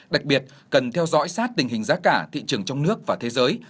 đặc biệt cần theo dõi sát tình hình giá cả thị trường trong nước và thế giới